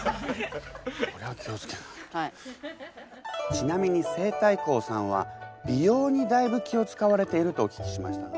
ちなみに西太后さんは美容にだいぶ気をつかわれているとお聞きしましたが。